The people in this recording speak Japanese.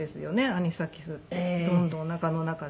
アニサキスってどんどんおなかの中で。